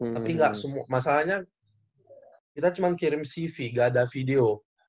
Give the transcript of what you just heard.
tapi enggak semua masalahnya kita cuman kirim cv gak ada video